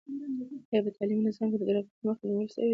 آیا په تعلیمي نظام کې د درغلۍ مخه نیول سوې ده؟